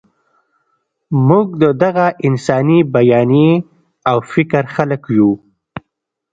موږ د دغه انساني بیانیې او فکر خلک یو.